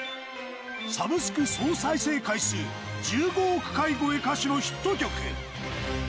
サブスク総再生回数１５億回超え歌手のヒット曲。